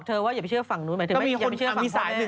ใครที่บอกเธอว่าอย่าไปเชื่อฝั่งนู้นหมายถึงอย่าไปเชื่อฝั่งความแม่